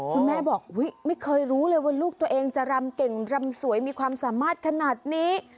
คุณแม่บอกไม่เคยรู้เลยว่าลูกตัวเองจะรำเก่งรำสวยมีความสามารถขนาดนี้